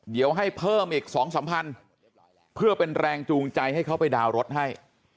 เดี๋ยวให้เพิ่มอีก๒๓พันเพื่อเป็นแรงจูงใจให้เขาไปดาวน์รถให้